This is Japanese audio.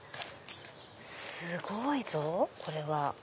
すごいぞこれは。